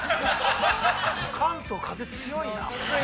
関東、風強いな、これ。